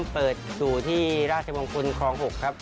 เปิดอยู่ที่ราชมงคลคลอง๖ครับ